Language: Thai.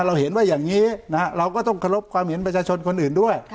เราเห็นว่าอย่างนี้เราก็ต้องเคารพความเห็นประชาชนคนอื่นด้วย